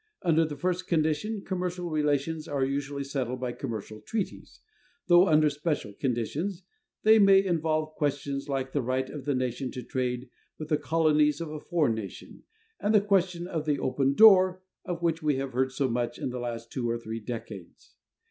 Under the first condition, commercial relations are usually settled by commercial treaties, though under special conditions they may involve questions like the right of the nation to trade with the colonies of a foreign nation, and the question of the "open door" of which we have heard so much in the last two or three decades.